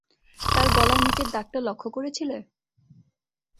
তার গলার নীচের দাগটা লক্ষ্য করেছিলে?